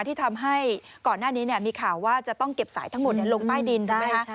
ที่ทำให้ก่อนหน้านี้มีข่าวว่าจะต้องเก็บสายทั้งหมดลงใต้ดินใช่ไหมคะ